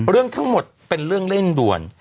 เรื่องทั้งหมดเป็นเรื่องเร่งด่วน